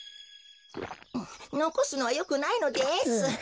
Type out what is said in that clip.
のこすのはよくないのです。